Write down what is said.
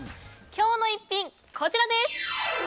今日の逸品、こちらです。